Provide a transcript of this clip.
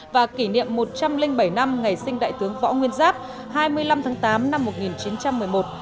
và kỷ niệm một trăm linh bảy năm ngày sinh đại tướng võ nguyên giáp hai mươi năm tháng tám năm một nghìn chín trăm một mươi một